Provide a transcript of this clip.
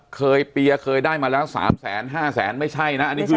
เคยเปรียกเคยได้มาแล้วสามแสนห้าแสนไม่ใช่น่ะอันนี้คือ